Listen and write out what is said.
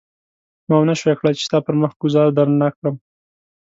ما ونه شول کړای چې ستا پر مخ ګوزار درنه کړم.